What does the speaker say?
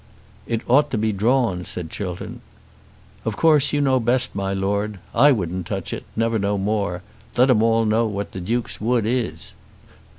"It ought to be drawn," said Chiltern. "Of course you know best, my Lord. I wouldn't touch it, never no more. Let 'em all know what the Duke's Wood is."